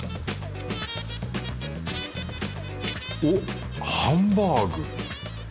おっハンバーグ。